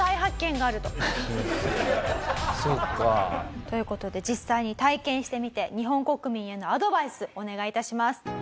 そうか。という事で実際に体験してみて日本国民へのアドバイスお願い致します。